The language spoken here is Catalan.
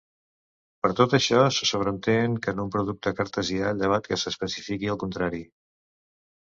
Per tot això, se sobreentén que en un producte cartesià, llevat que s'especifiqui el contrari.